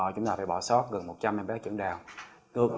chúng ta phải bỏ sót gần một trăm linh em bé hội chứng đau